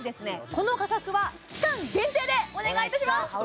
この価格は期間限定でお願いいたします